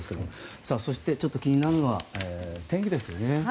そして気になるのは天気ですよね。